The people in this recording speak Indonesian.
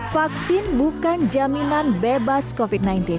vaksin bukan jaminan bebas covid sembilan belas